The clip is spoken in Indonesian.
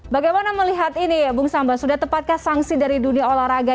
bagaimana melihat ini ya bung samba sudah tepatkah sanksi dari dunia olahraga